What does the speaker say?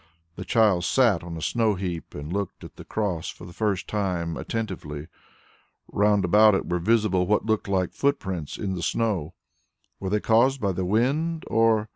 The child sat on a snow heap, and looked at the cross for the first time attentively. Round about were visible what looked like footprints in the snow. Were they caused by the wind, or